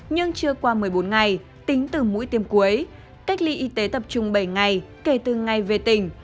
nhưng chưa qua một mươi bốn ngày tính từ mũi tiêm cuối cách ly y tế tập trung bảy ngày kể từ ngày về tỉnh